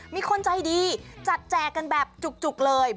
มีคนใจดีจัดแจกกันแบบจุกเลย